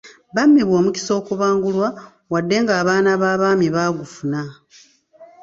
Bammibwa omukisa okubangulwa wadde ng'abaana b'abaami baagufuna.